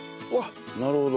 なるほど。